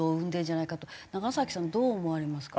ながさきさんどう思われますか？